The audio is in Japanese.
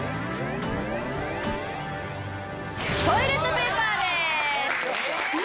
トイレットペーパーです！